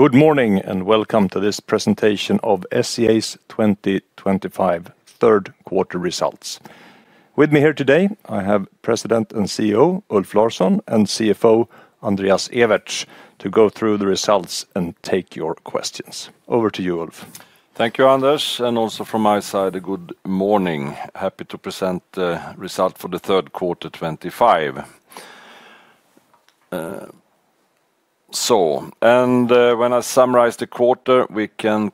Good morning and welcome to this presentation of SCA's 2025 third quarter results. With me here today, I have President and CEO, Ulf Larsson, and CFO, Andreas Ewertz, to go through the results and take your questions. Over to you, Ulf. Thank you, Anders, and also from my side, a good morning. Happy to present the results for the third quarter 2025. When I summarize the quarter, we can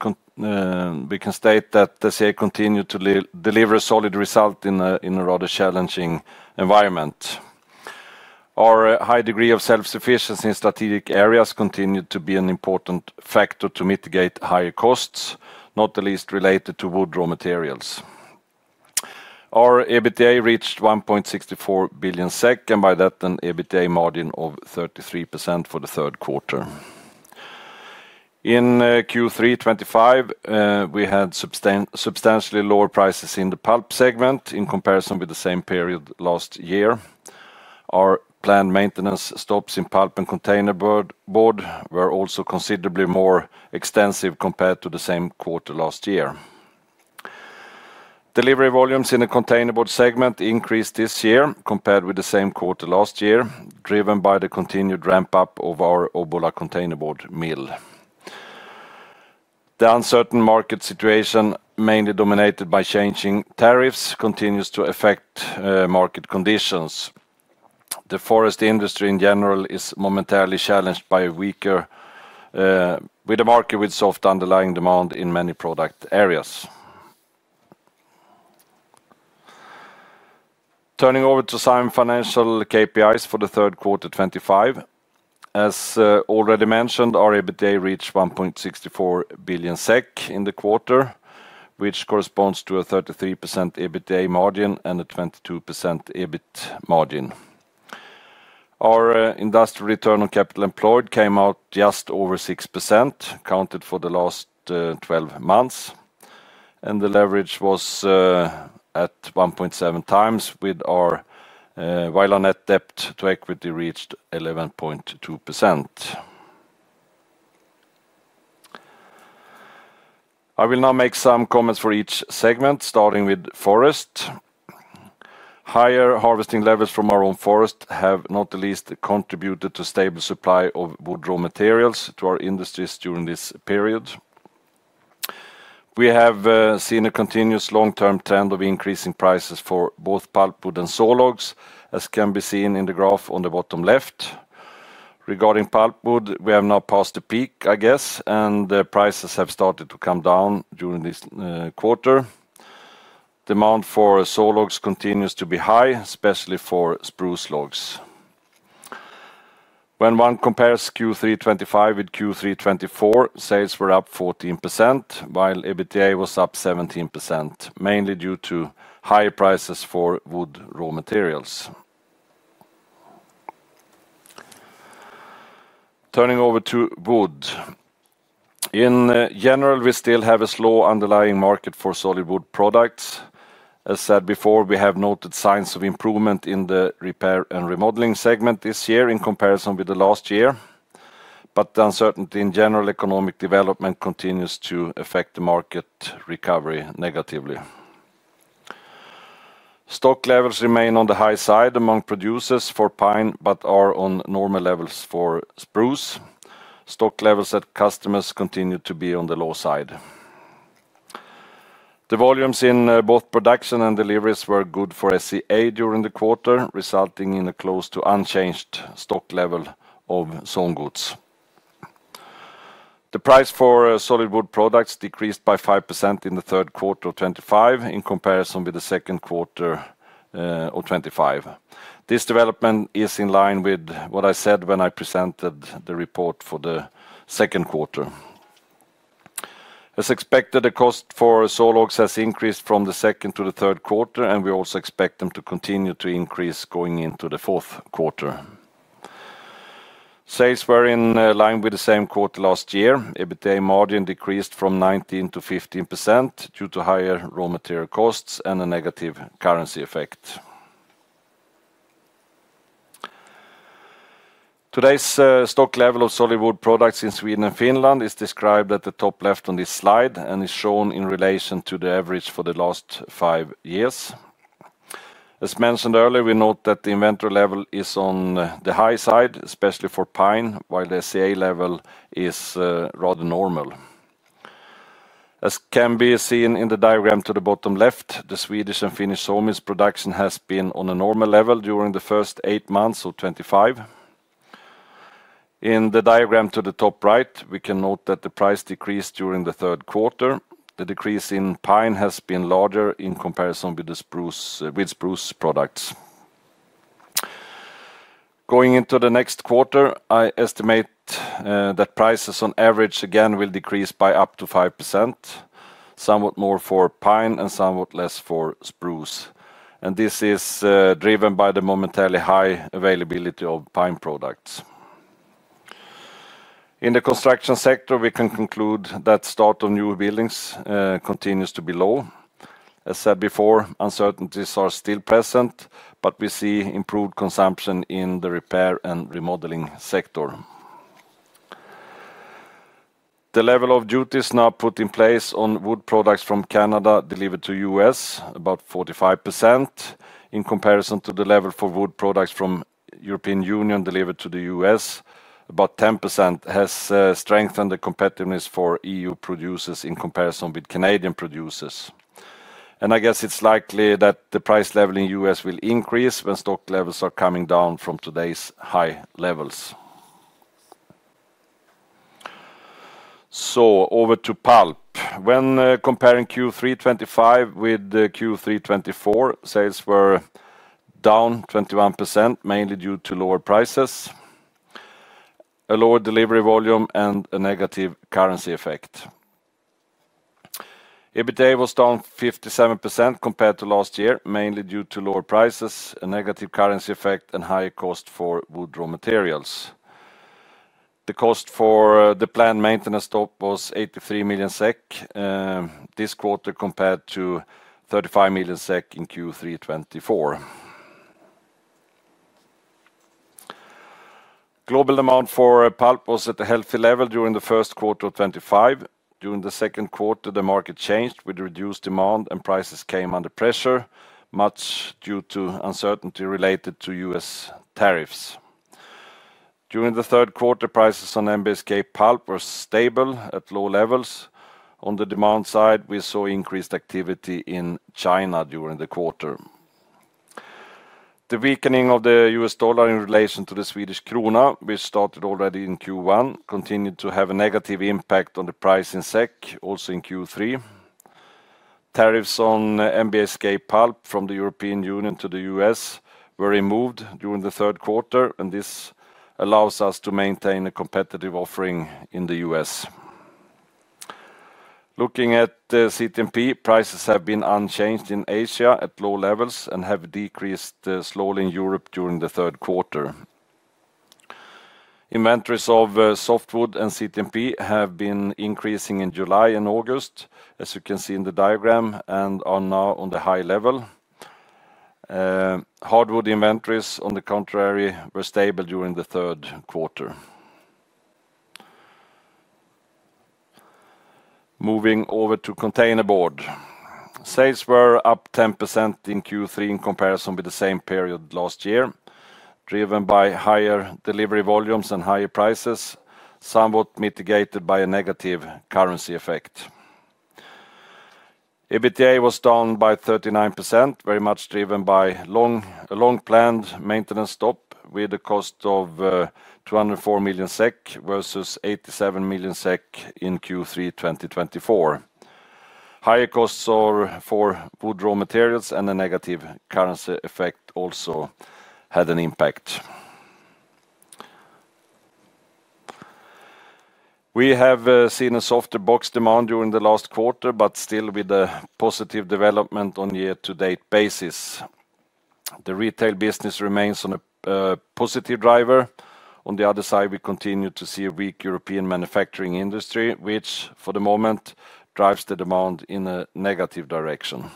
state that SCA continued to deliver a solid result in a rather challenging environment. Our high degree of self-sufficiency in strategic areas continued to be an important factor to mitigate higher costs, not the least related to wood raw materials. Our EBITDA reached 1.64 billion SEK, and by that an EBITDA margin of 33% for the third quarter. In Q3 2025, we had substantially lower prices in the pulp segment in comparison with the same period last year. Our planned maintenance stops in pulp and containerboard were also considerably more extensive compared to the same quarter last year. Delivery volumes in the containerboard segment increased this year compared with the same quarter last year, driven by the continued ramp-up of our Obbola containerboard mill. The uncertain market situation, mainly dominated by changing tariffs, continues to affect market conditions. The forest industry in general is momentarily challenged by a weaker market with soft underlying demand in many product areas. Turning over to some financial KPIs for the third quarter 2025. As already mentioned, our EBITDA reached 1.64 billion SEK in the quarter, which corresponds to a 33% EBITDA margin and a 22% EBIT margin. Our Industrial Return on Capital Employed came out just over 6%, counted for the last 12 months, and the leverage was at 1.7x, while our net debt to equity reached 11.2%. I will now make some comments for each segment, starting with forest. Higher harvesting levels from our own forest have not the least contributed to a stable supply of wood raw materials to our industries during this period. We have seen a continuous long-term trend of increasing prices for both pulp wood and saw logs, as can be seen in the graph on the bottom left. Regarding pulp wood, we have now passed the peak, I guess, and prices have started to come down during this quarter. Demand for saw logs continues to be high, especially for spruce logs. When one compares Q3 2025 with Q3 2024, sales were up 14%, while EBITDA was up 17%, mainly due to higher prices for wood raw materials. Turning over to wood. In general, we still have a slow underlying market for solid wood products. As said before, we have noted signs of improvement in the repair and remodeling segment this year in comparison with last year, but the uncertainty in general economic development continues to affect the market recovery negatively. Stock levels remain on the high side among producers for pine, but are at normal levels for spruce. Stock levels at customers continue to be on the low side. The volumes in both production and deliveries were good for SCA during the quarter, resulting in a close to unchanged stock level of own goods. The price for solid wood products decreased by 5% in the third quarter of 2025 in comparison with the second quarter of 2025. This development is in line with what I said when I presented the report for the second quarter. As expected, the cost for saw logs has increased from the second to the third quarter, and we also expect them to continue to increase going into the fourth quarter. Sales were in line with the same quarter last year. EBITDA margin decreased from 19% to 15% due to higher raw material costs and a negative currency effect. Today's stock level of solid wood products in Sweden and Finland is described at the top left on this slide and is shown in relation to the average for the last five years. As mentioned earlier, we note that the inventory level is on the high side, especially for pine, while the SCA level is rather normal. As can be seen in the diagram to the bottom left, the Swedish and Finnish sawmills production has been on a normal level during the first eight months of 2025. In the diagram to the top right, we can note that the price decreased during the third quarter. The decrease in pine has been larger in comparison with spruce products. Going into the next quarter, I estimate that prices on average again will decrease by up to 5%, somewhat more for pine and somewhat less for spruce. This is driven by the momentarily high availability of pine products. In the construction sector, we can conclude that start of new buildings continues to be low. As said before, uncertainties are still present, but we see improved consumption in the repair and remodeling sector. The level of duties now put in place on wood products from Canada delivered to the U.S., about 45% in comparison to the level for wood products from the European Union delivered to the U.S., about 10%, has strengthened the competitiveness for EU producers in comparison with Canadian producers. It's likely that the price level in the U.S. will increase when stock levels are coming down from today's high levels. Over to pulp. When comparing Q3 2025 with Q3 2024, sales were down 21%, mainly due to lower prices, a lower delivery volume, and a negative currency effect. EBITDA was down 57% compared to last year, mainly due to lower prices, a negative currency effect, and higher costs for wood raw materials. The cost for the planned maintenance stop was 83 million SEK this quarter compared to 35 million SEK in Q3 2024. Global demand for pulp was at a healthy level during the first quarter of 2025. During the second quarter, the market changed with reduced demand and prices came under pressure, much due to uncertainty related to U.S. tariffs. During the third quarter, prices on MSK pulp were stable at low levels. On the demand side, we saw increased activity in China during the quarter. The weakening of the U.S. dollar in relation to the Swedish krona, which started already in Q1, continued to have a negative impact on the price in SEK, also in Q3. Tariffs on MSK pulp from the EU to the U.S. were removed during the third quarter, and this allows us to maintain a competitive offering in the U.S. Looking at CTMP, prices have been unchanged in Asia at low levels and have decreased slowly in Europe during the third quarter. Inventories of softwood and CTMP have been increasing in July and August, as you can see in the diagram, and are now on the high level. Hardwood inventories, on the contrary, were stable during the third quarter. Moving over to containerboard. Sales were up 10% in Q3 in comparison with the same period last year, driven by higher delivery volumes and higher prices, somewhat mitigated by a negative currency effect. EBITDA was down by 39%, very much driven by a long planned maintenance stop with a cost of 204 million SEK versus 87 million SEK in Q3 2024. Higher costs for wood raw materials and a negative currency effect also had an impact. We have seen a softer box demand during the last quarter, but still with a positive development on a year-to-date basis. The retail business remains a positive driver. On the other side, we continue to see a weak European manufacturing industry, which for the moment drives the demand in a negative direction.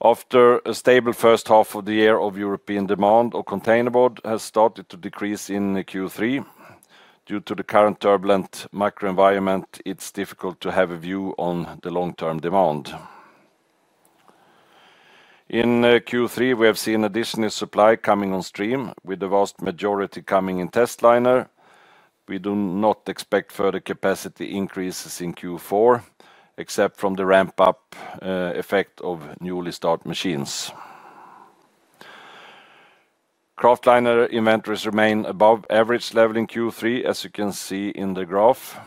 After a stable first half of the year of European demand, containerboard has started to decrease in Q3. Due to the current turbulent macro environment, it's difficult to have a view on the long-term demand. In Q3, we have seen additional supply coming on stream, with the vast majority coming in test liner. We do not expect further capacity increases in Q4, except from the ramp-up effect of newly started machines. Kraft liner inventories remain above average level in Q3, as you can see in the graph.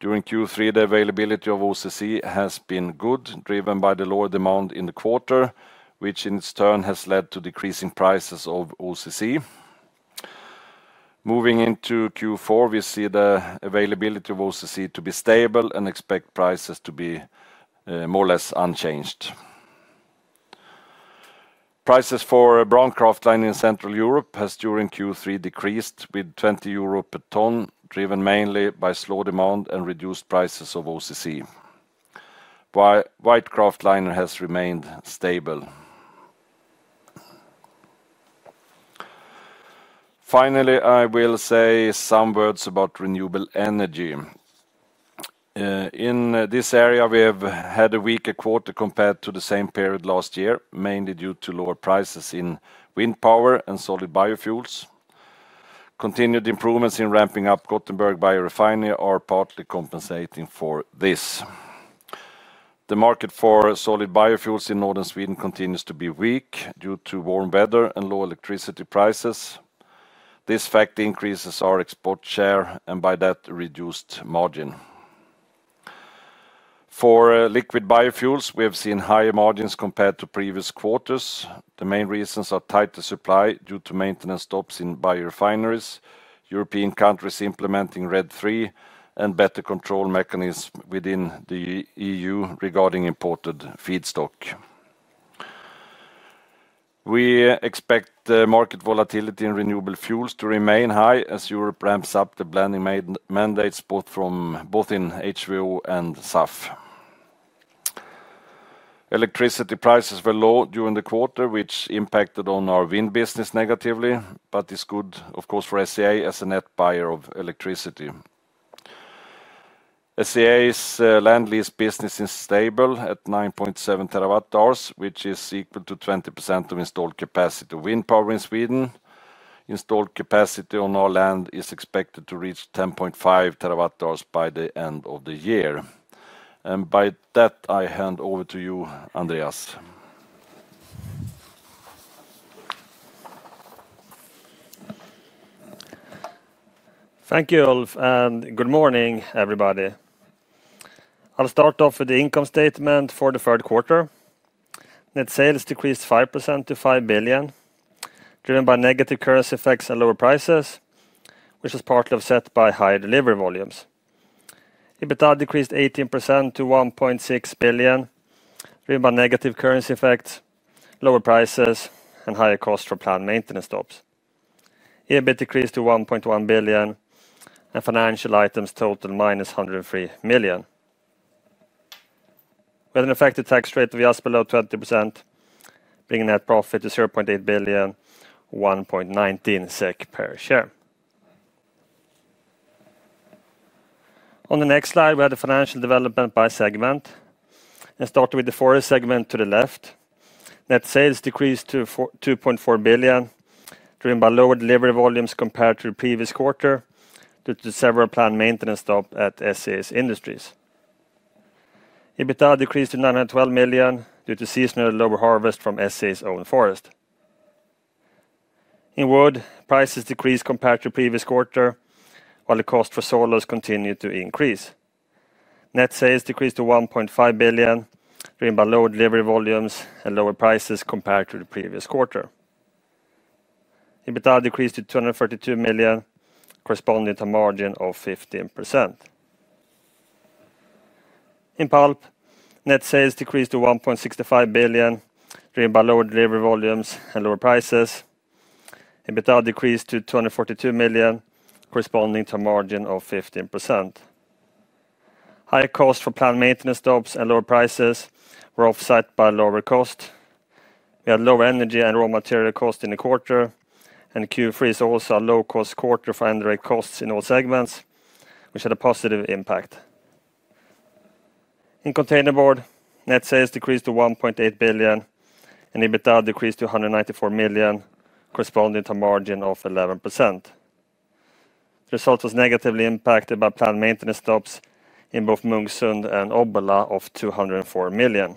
During Q3, the availability of OCC has been good, driven by the lower demand in the quarter, which in its turn has led to decreasing prices of OCC. Moving into Q4, we see the availability of OCC to be stable and expect prices to be more or less unchanged. Prices for brown kraft liner in Central Europe have during Q3 decreased with 20 euro per ton, driven mainly by slow demand and reduced prices of OCC. White kraft liner has remained stable. Finally, I will say some words about renewable energy. In this area, we have had a weaker quarter compared to the same period last year, mainly due to lower prices in wind power and solid biofuels. Continued improvements in ramping up Gothenburg biorefinery are partly compensating for this. The market for solid biofuels in northern Sweden continues to be weak due to warm weather and low electricity prices. This fact increases our export share and by that reduced margin. For liquid biofuels, we have seen higher margins compared to previous quarters. The main reasons are tighter supply due to maintenance stops in biorefineries, European countries implementing RED III, and better control mechanisms within the EU regarding imported feedstock. We expect market volatility in renewable fuels to remain high as Europe ramps up the blending mandates both in HVO and SAF. Electricity prices were low during the quarter, which impacted our wind business negatively, but it's good, of course, for SCA as a net buyer of electricity. SCA's land lease business is stable at 9.7 TWh, which is equal to 20% of installed capacity of wind power in Sweden. Installed capacity on our land is expected to reach 10.5 TWh by the end of the year. By that, I hand over to you, Andreas. Thank you, Ulf, and good morning, everybody. I'll start off with the income statement for the third quarter. Net sales decreased 5% to 5 billion, driven by negative currency effects and lower prices, which was partly offset by higher delivery volumes. EBITDA decreased 18% to 1.6 billion, driven by negative currency effects, lower prices, and higher costs for planned maintenance stops. EBIT decreased to 1.1 billion, and financial items total -103 million. We had an effective tax rate of just below 20%, bringing net profit to 0.8 billion, 1.19 SEK per share. On the next slide, we had the financial development by segment. I started with the Forest segment to the left. Net sales decreased to 2.4 billion, driven by lower delivery volumes compared to the previous quarter due to several planned maintenance stops at SCA's industries. EBITDA decreased to 912 million due to seasonal lower harvest from SCA's own forest. In Wood, prices decreased compared to the previous quarter, while the cost for saw logs continued to increase. Net sales decreased to 1.5 billion, driven by lower delivery volumes and lower prices compared to the previous quarter. EBITDA decreased to 232 million, corresponding to a margin of 15%. In Pulp, net sales decreased to 1.65 billion, driven by lower delivery volumes and lower prices. EBITDA decreased to 242 million, corresponding to a margin of 15%. Higher costs for planned maintenance stops and lower prices were offset by lower costs. We had lower energy and raw material costs in the quarter, and Q3 is also a low-cost quarter for underwriting costs in all segments, which had a positive impact. In Containerboard, net sales decreased to 1.8 billion, and EBITDA decreased to 194 million, corresponding to a margin of 11%. The result was negatively impacted by planned maintenance stops in both Munksund and Obbola of 204 million.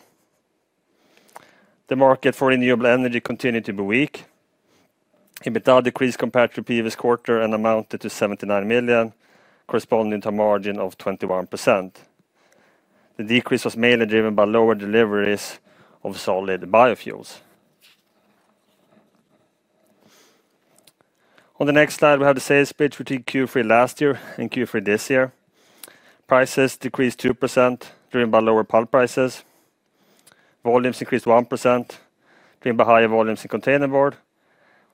The market for renewable energy continued to be weak. EBITDA decreased compared to the previous quarter and amounted to 79 million, corresponding to a margin of 21%. The decrease was mainly driven by lower deliveries of solid biofuels. On the next slide, we have the sales pitch for Q3 last year and Q3 this year. Prices decreased 2%, driven by lower pulp prices. Volumes increased 1%, driven by higher volumes in Containerboard,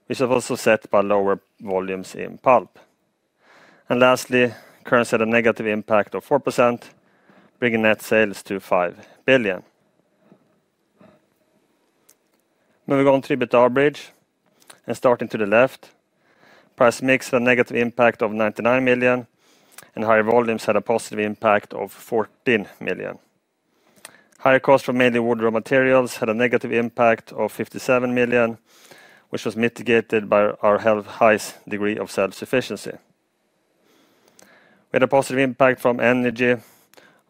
which was offset by lower volumes in Pulp. Lastly, currency had a negative impact of 4%, bringing net sales to 5 billion. Moving on to EBITDA average, and starting to the left, price mix had a negative impact of 99 million, and higher volumes had a positive impact of 14 million. Higher costs for mainly wood raw materials had a negative impact of 57 million, which was mitigated by our highest degree of self-sufficiency. We had a positive impact from energy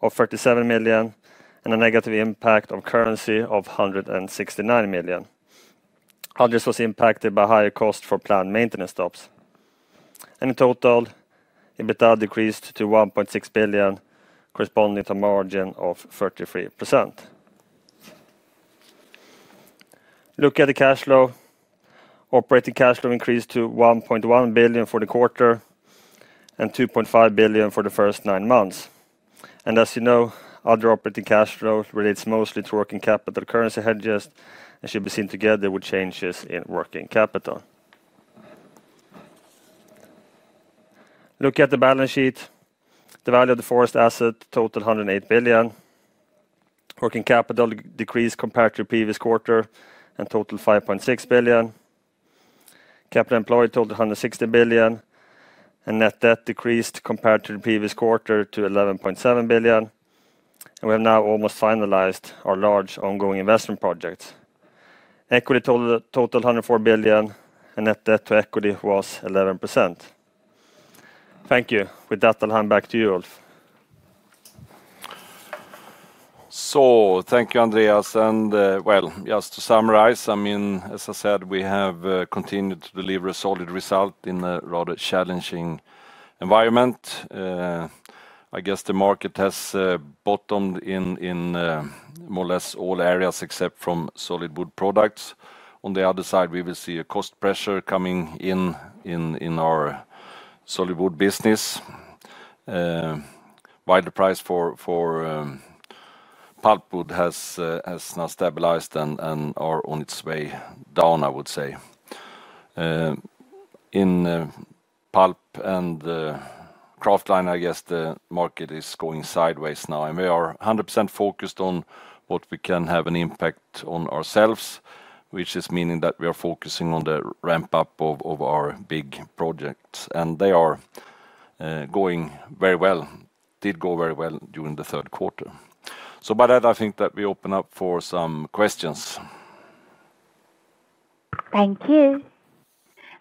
of 37 million and a negative impact of currency of 169 million. Others were impacted by higher costs for planned maintenance stops. In total, EBITDA decreased to 1.6 billion, corresponding to a margin of 33%. Looking at the cash flow, operating cash flow increased to 1.1 billion for the quarter and 2.5 billion for the first nine months. As you know, other operating cash flow relates mostly to working capital currency hedges, and should be seen together with changes in working capital. Looking at the balance sheet, the value of the forest asset totaled 108 billion. Working capital decreased compared to the previous quarter and totaled 5.6 billion. Capital employed totaled 160 billion, and net debt decreased compared to the previous quarter to 11.7 billion. We have now almost finalized our large ongoing investment projects. Equity totaled 104 billion, and net debt to equity was 11%. Thank you. With that, I'll hand back to you, Ulf. Thank you, Andreas. Just to summarize, I mean, as I said, we have continued to deliver a solid result in a rather challenging environment. I guess the market has bottomed in more or less all areas except for solid wood products. On the other side, we will see a cost pressure coming in our solid wood business. While the price for pulp wood has now stabilized and is on its way down, I would say. In pulp and kraft liner, I guess the market is going sideways now, and we are 100% focused on what we can have an impact on ourselves, which means that we are focusing on the ramp-up of our big projects, and they are going very well, did go very well during the third quarter. By that, I think that we open up for some questions. Thank you.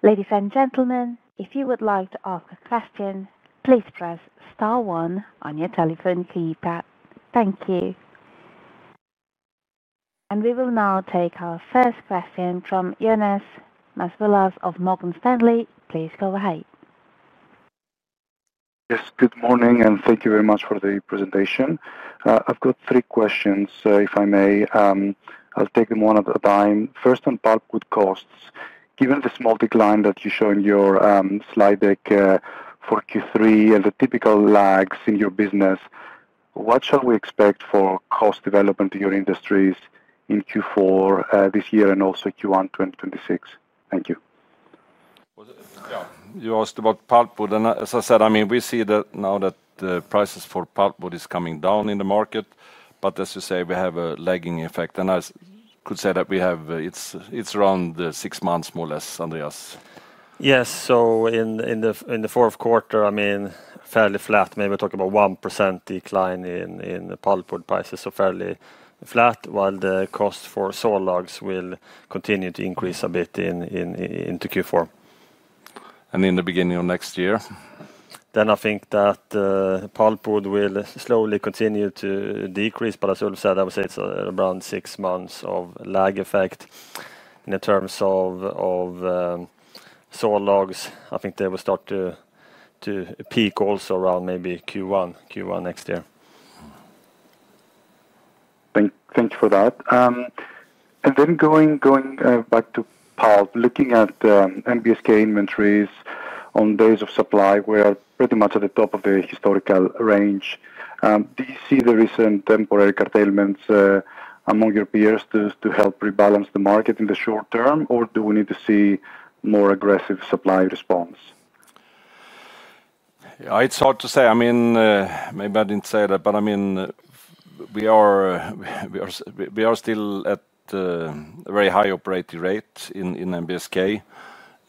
Ladies and gentlemen, if you would like to ask a question, please press star one on your telephone keypad. Thank you. We will now take our first question from Ioannis Masvoulas of Morgan Stanley. Please go ahead. Yes, good morning, and thank you very much for the presentation. I've got three questions, if I may. I'll take them one at a time. First, on pulp wood costs, given the small decline that you show in your slide deck for Q3 and the typical lags in your business, what shall we expect for cost development in your industries in Q4 this year and also Q1 2026? Thank you. You asked about pulp wood, and as I said, we see that now that the prices for pulp wood are coming down in the market, but as you say, we have a lagging effect. I could say that we have, it's around six months more or less, Andreas. Yes, so in the fourth quarter, I mean, fairly flat, maybe we're talking about 1% decline in pulp wood prices, so fairly flat, while the cost for saw logs will continue to increase a bit into Q4. In the beginning of next year? I think that pulp wood will slowly continue to decrease, but as Ulf said, I would say it's around six months of lag effect. In terms of saw logs, I think they will start to peak also around maybe Q1 next year. Thank you for that. Going back to pulp, looking at MSK pulp inventories on days of supply, we are pretty much at the top of the historical range. Do you see the recent temporary curtailments among your peers help rebalance the market in the short term, or do we need to see a more aggressive supply response? It's hard to say. Maybe I didn't say that, but we are still at a very high operating rate in MSK,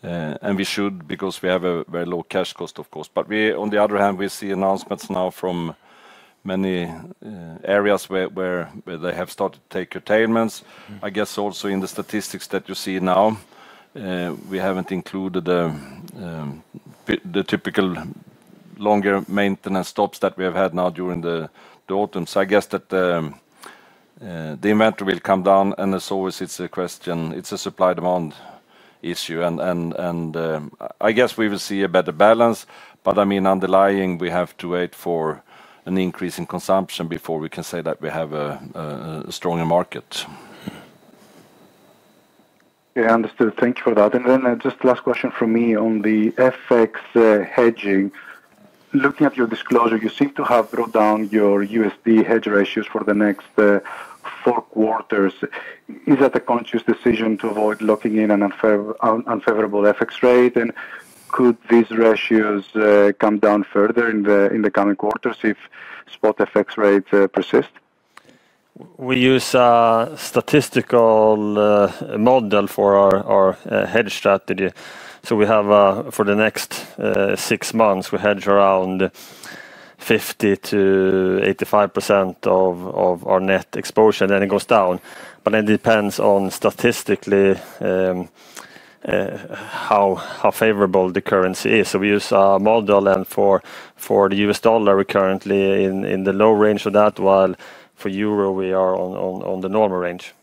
and we should because we have a very low cash cost, of course. On the other hand, we see announcements now from many areas where they have started to take curtailments. I guess also in the statistics that you see now, we haven't included the typical longer maintenance stops that we have had now during the autumn. I guess that the inventory will come down, and as always, it's a question, it's a supply-demand issue. I guess we will see a better balance, but underlying, we have to wait for an increase in consumption before we can say that we have a stronger market. Yeah, understood. Thank you for that. Just the last question from me on the FX hedging. Looking at your disclosure, you seem to have brought down your USD hedge ratios for the next four quarters. Is that a conscious decision to avoid locking in an unfavorable FX rate? Could these ratios come down further in the coming quarters if spot FX rates persist? We use a statistical model for our hedge strategy. For the next six months, we hedge around 50%-85% of our net exposure, and then it goes down. It depends on statistically how favorable the currency is. We use a model, and for the U.S. dollar, we're currently in the low range of that, while for euro, we are in the normal range.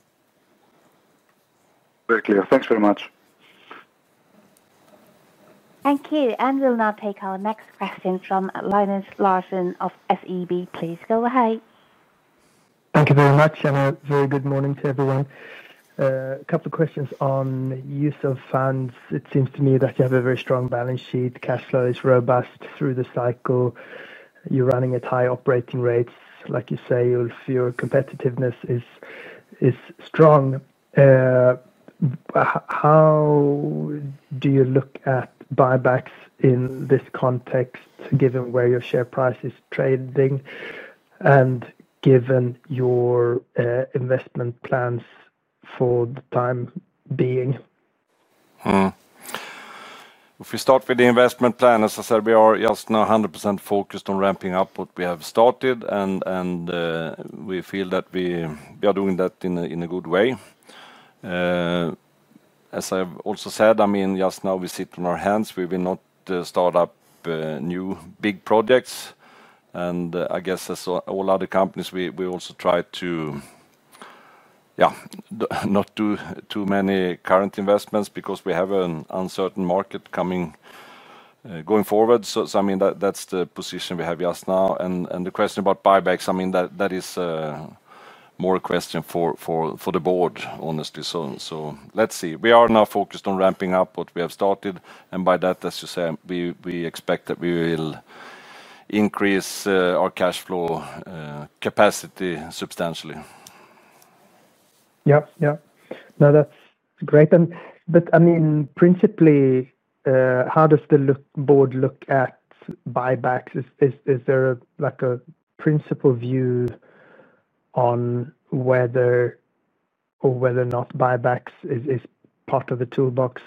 Very clear. Thanks very much. Thank you. We'll now take our next question from Linus Larsson of SEB. Please go ahead. Thank you very much, and a very good morning to everyone. A couple of questions on use of funds. It seems to me that you have a very strong balance sheet. Cash flow is robust through the cycle. You're running at high operating rates. Like you say, Ulf, your competitiveness is strong. How do you look at buybacks in this context, given where your share price is trading and given your investment plans for the time being? If we start with the investment plan, as I said, we are just now 100% focused on ramping up what we have started, and we feel that we are doing that in a good way. As I also said, just now we sit on our hands. We will not start up new big projects. I guess, as all other companies, we also try to not do too many current investments because we have an uncertain market going forward. That is the position we have just now. The question about buybacks, that is more a question for the board, honestly. Let's see. We are now focused on ramping up what we have started, and by that, as you say, we expect that we will increase our cash flow capacity substantially. Yeah, that's great. I mean, principally, how does the board look at buybacks? Is there a principal view on whether or not buybacks is part of the toolbox?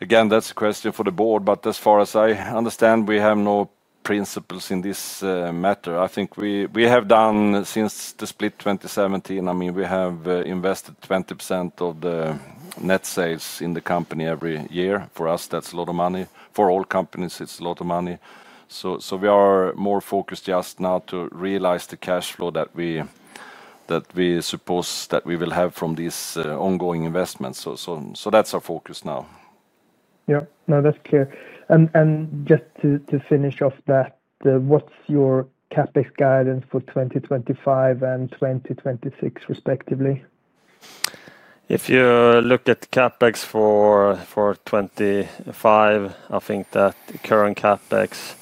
Again, that's a question for the board. As far as I understand, we have no principles in this matter. I think we have done since the split in 2017. I mean, we have invested 20% of the net sales in the company every year. For us, that's a lot of money. For all companies, it's a lot of money. We are more focused just now to realize the cash flow that we suppose that we will have from these ongoing investments. That's our focus now. Yeah, no, that's clear. Just to finish off that, what's your CapEx guidance for 2025 and 2026, respectively? If you look at CapEx for 2025, I think that current CapEx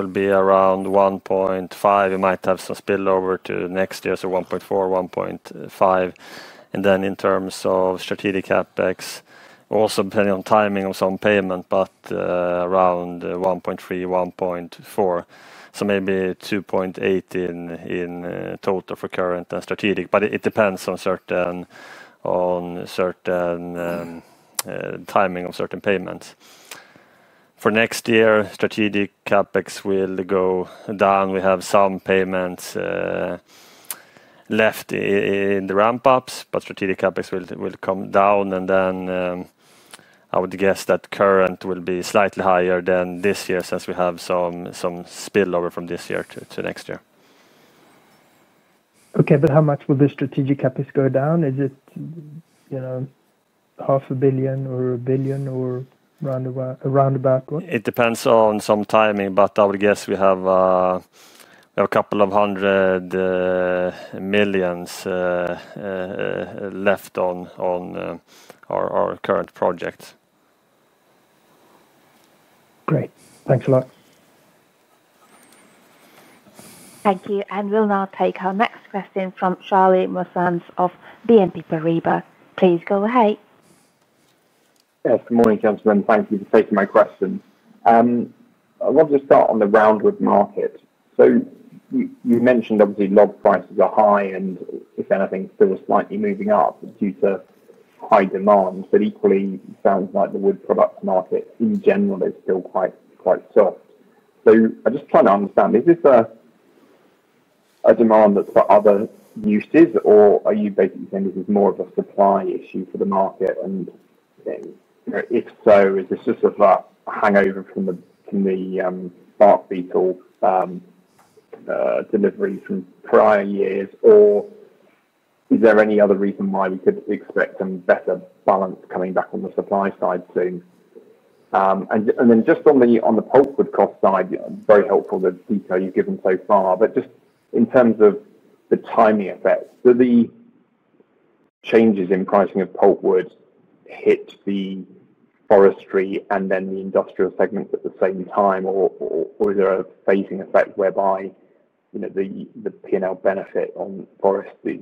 will be around 1.5 billion. We might have some spillover to next year, so 1.4 billion, 1.5 billion. In terms of strategic CapEx, also depending on timing of some payment, around 1.3 billion, 1.4 billion. Maybe 2.8 billion in total for current and strategic. It depends on timing of certain payments. For next year, strategic CapEx will go down. We have some payments left in the ramp-ups, but strategic CapEx will come down. I would guess that current will be slightly higher than this year since we have some spillover from this year to next year. Okay, how much will the strategic CapEx go down? Is it half a billion or a billion or around about? It depends on some timing, but I would guess we have a couple of 100 million left on our current projects. Great, thanks a lot. Thank you. We'll now take our next question from Charlie Muir-Sands of BNP Paribas. Please go ahead. Yes, good morning, gentlemen. Thank you for taking my question. I wanted to start on the roundwood market. You mentioned obviously log prices are high, and if anything, still slightly moving up due to high demand. It sounds like the wood products market in general is still quite soft. I'm just trying to understand, is this a demand that's for other uses, or are you basically saying this is more of a supply issue for the market? If so, is this just a hangover from the bark beetle delivery from prior years, or is there any other reason why we could expect some better balance coming back on the supply side soon? Just on the pulp wood cost side, very helpful the detail you've given so far, but just in terms of the timing effect, do the changes in pricing of pulp wood hit the forestry and then the industrial segments at the same time, or is there a phasing effect whereby the P&L benefit on forest is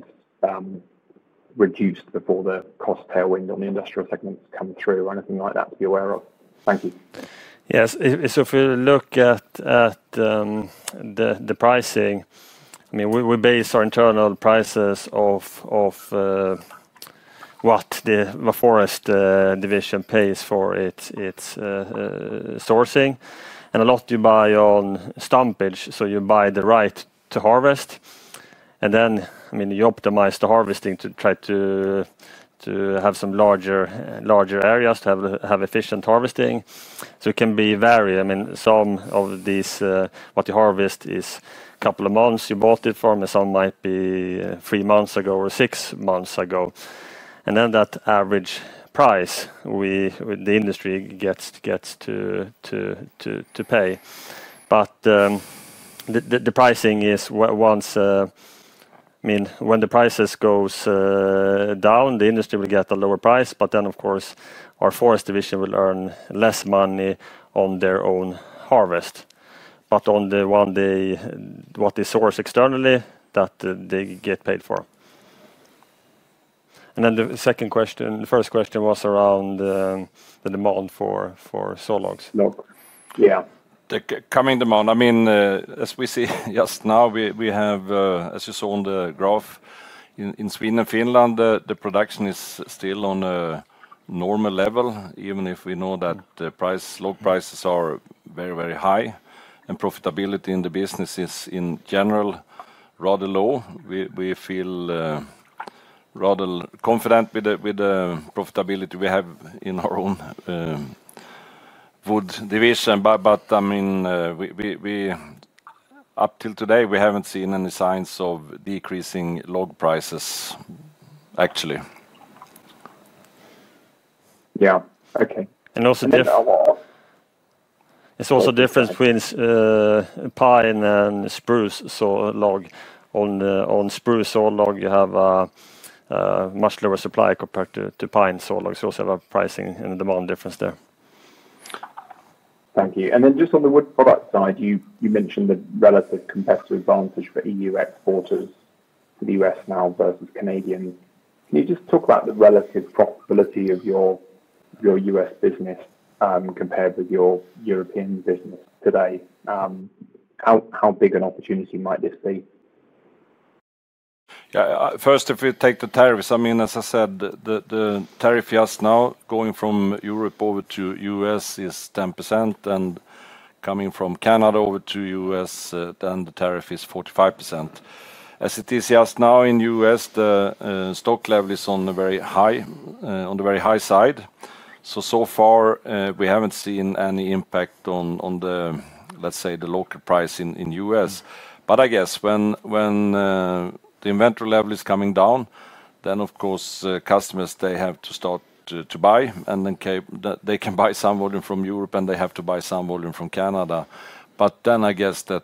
reduced before the cost tailwind on the industrial segments comes through, or anything like that to be aware of? Thank you. Yes, if we look at the pricing, we base our internal prices off what the forest division pays for its sourcing. A lot you buy on stumpage, so you buy the right to harvest. You optimize the harvesting to try to have some larger areas to have efficient harvesting, so it can be varied. Some of these, what you harvest is a couple of months you bought it from, and some might be three months ago or six months ago. That average price, the industry gets to pay. The pricing is once, when the prices go down, the industry will get a lower price. Of course, our forest division will earn less money on their own harvest. On the one day, what they source externally, that they get paid for. The second question, the first question was around the demand for saw logs. Yeah, the coming demand. As we see just now, we have, as you saw on the graph, in Sweden and Finland, the production is still on a normal level, even if we know that low prices are very, very high and profitability in the business is in general rather low. We feel rather confident with the profitability we have in our own wood division, but up till today, we haven't seen any signs of decreasing log prices, actually. Yeah, okay. Is also the difference between pine and spruce saw log. On spruce saw log, you have a much lower supply compared to pine saw log, so we also have a pricing and a demand difference there. Thank you. On the wood product side, you mentioned the relative competitive advantage for EU exporters to the U.S. now versus Canadian. Can you talk about the relative profitability of your U.S. business compared with your European business today? How big an opportunity might this be? Yeah, first, if we take the tariffs, as I said, the tariff just now going from Europe over to the U.S. is 10%, and coming from Canada over to the U.S., then the tariff is 45%. As it is just now in the U.S., the stock level is on the very high side. So far, we haven't seen any impact on the, let's say, the local price in the U.S. I guess when the inventory level is coming down, then, of course, customers have to start to buy, and they can buy some volume from Europe, and they have to buy some volume from Canada. I guess that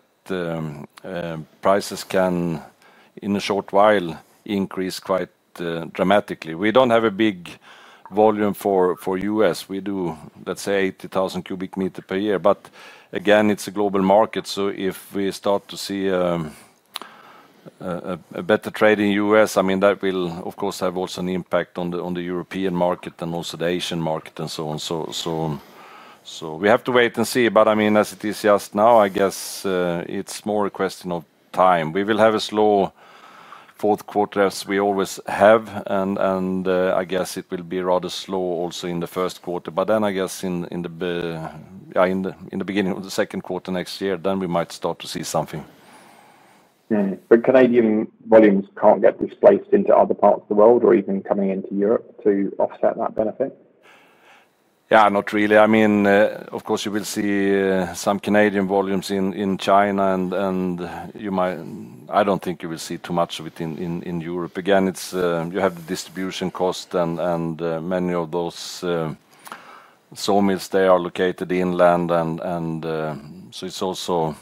prices can, in a short while, increase quite dramatically. We don't have a big volume for the U.S. We do, let's say, 80,000 cubic meters per year. Again, it's a global market. If we start to see a better trade in the U.S., that will, of course, have also an impact on the European market and also the Asian market and so on. We have to wait and see. As it is just now, I guess it's more a question of time. We will have a slow fourth quarter as we always have, and I guess it will be rather slow also in the first quarter. I guess in the beginning of the second quarter next year, we might start to see something. Can Canadian volumes get displaced into other parts of the world or even coming into Europe to offset that benefit? Yeah, not really. I mean, of course, you will see some Canadian volumes in China, and you might, I don't think you will see too much of it in Europe. You have the distribution cost, and many of those sawmills are located inland. It's also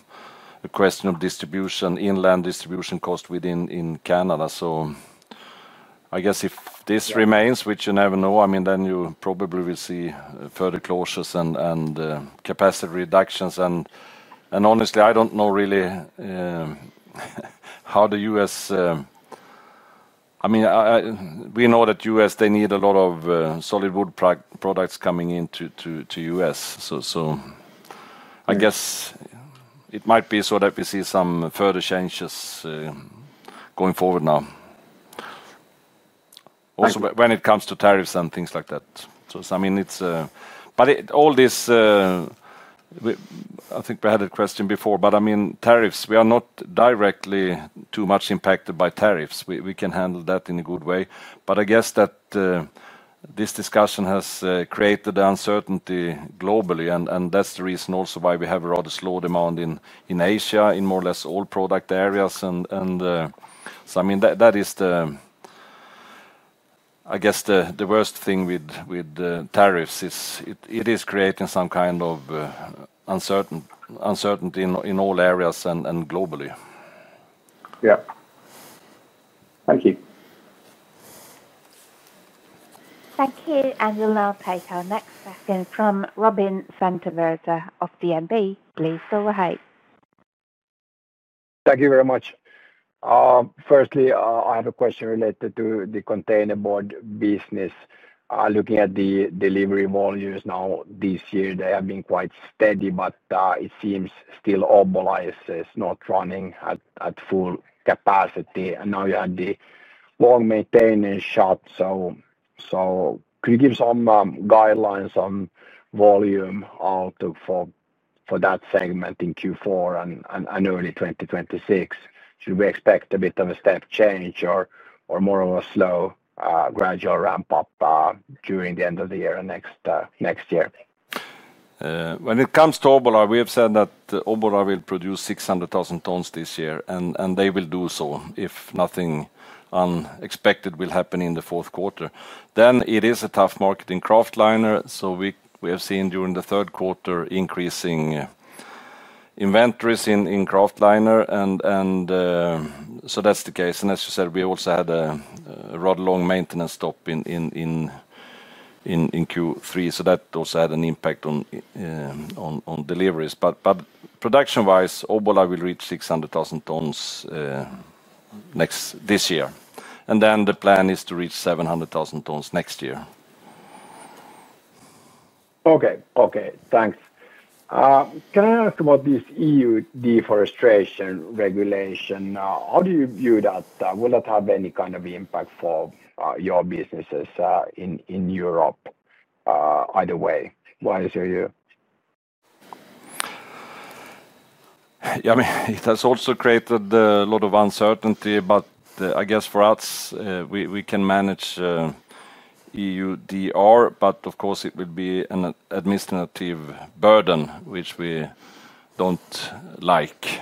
a question of distribution, inland distribution cost within Canada. I guess if this remains, which you never know, then you probably will see further closures and capacity reductions. Honestly, I don't know really how the U.S., I mean, we know that the U.S. needs a lot of solid wood products coming into the U.S. I guess it might be that we see some further changes going forward now, also when it comes to tariffs and things like that. All this, I think we had a question before, but tariffs, we are not directly too much impacted by tariffs. We can handle that in a good way. I guess that this discussion has created uncertainty globally, and that's the reason also why we have a rather slow demand in Asia in more or less all product areas. That is, I guess, the worst thing with tariffs. It is creating some kind of uncertainty in all areas and globally. Yeah, thank you. Thank you. We'll now take our next question from Robin Santavirta of DNB. Please go ahead. Thank you very much. Firstly, I have a question related to the containerboard business. Looking at the delivery volumes now this year, they have been quite steady, but it seems still Obbola is not running at full capacity. You have the long maintenance stop. Could you give some guidelines on volume out for that segment in Q4 and early 2026? Should we expect a bit of a step change or more of a slow gradual ramp-up during the end of the year and next year? When it comes to Obbola, we have said that Obbola will produce 600,000 tons this year, and they will do so if nothing unexpected will happen in the fourth quarter. It is a tough market in kraftliner. We have seen during the third quarter increasing inventories in kraftliner, and that's the case. As you said, we also had a rather long maintenance stop in Q3, which also had an impact on deliveries. Production-wise, Obbola will reach 600,000 tons this year, and the plan is to reach 700,000 tons next year. Okay, thanks. Can I ask about this EU deforestation regulation? How do you view that? Will that have any kind of impact for your businesses in Europe either way? What is your view? Yeah, I mean, it has also created a lot of uncertainty. I guess for us, we can manage EUDR, but of course, it will be an administrative burden, which we don't like.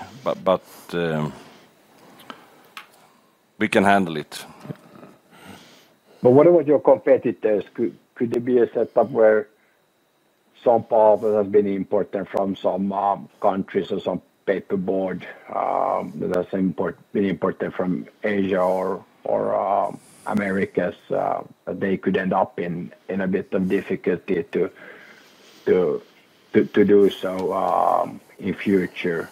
We can handle it. What about your competitors? Could there be a setup where some power has been imported from some countries or some containerboard that has been imported from Asia or the Americas? They could end up in a bit of difficulty to do so in the future.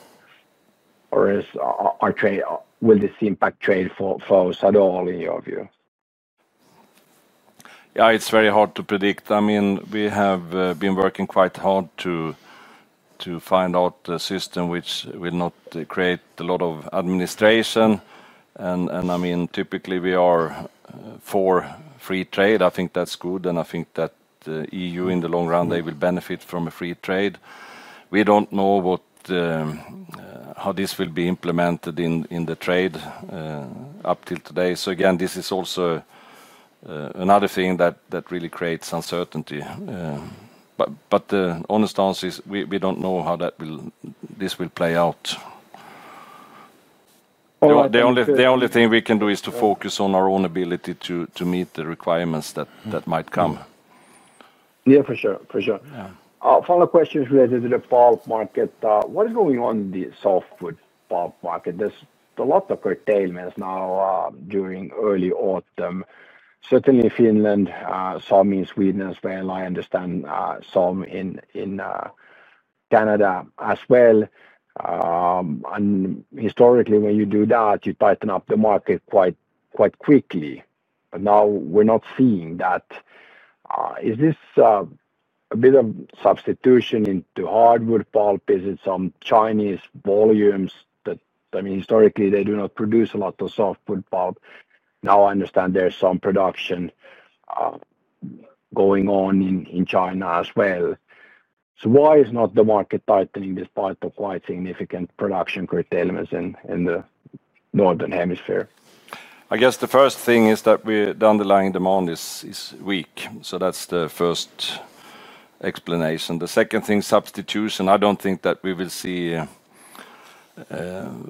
Will this impact trade flows at all in your view? Yeah, it's very hard to predict. We have been working quite hard to find out the system which will not create a lot of administration. Typically, we are for free trade. I think that's good. I think that the EU in the long run, they will benefit from free trade. We don't know how this will be implemented in the trade up till today. This is also another thing that really creates uncertainty. The honest answer is we don't know how this will play out. The only thing we can do is to focus on our own ability to meet the requirements that might come. Yeah, for sure, for sure. Final questions related to the bulk market. What is going on in the softwood bulk market? There's a lot of curtailments now during early autumn. Certainly, Finland, Sweden, and Spain. I understand some in Canada as well. Historically, when you do that, you tighten up the market quite quickly. Now we're not seeing that. Is this a bit of substitution into hardwood pulp? Is it some Chinese volumes that, I mean, historically, they do not produce a lot of softwood pulp? Now I understand there's some production going on in China as well. Why is the market not tightening despite the quite significant production curtailments in the northern hemisphere? I guess the first thing is that the underlying demand is weak. That's the first explanation. The second thing is substitution. I don't think that we will see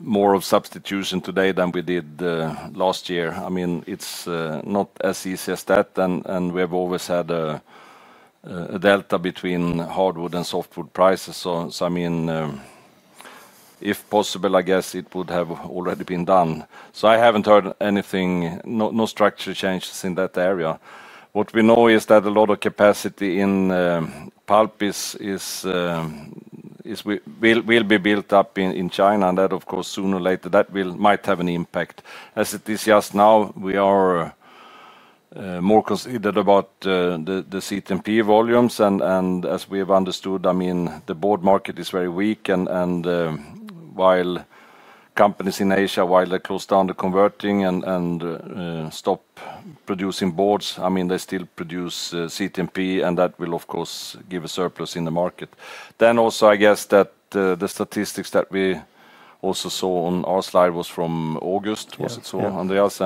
more of substitution today than we did last year. It's not as easy as that. We have always had a delta between hardwood and softwood prices. If possible, I guess it would have already been done. I haven't heard anything, no structural changes in that area. What we know is that a lot of capacity in pulp will be built up in China. Of course, sooner or later, that might have an impact. As it is just now, we are more considerate about the CTMP volumes. As we have understood, the board market is very weak. While companies in Asia close down the converting and stop producing boards, they still produce CTMP. That will, of course, give a surplus in the market. I guess that the statistics that we also saw on our slide was from August, was it so, Andreas?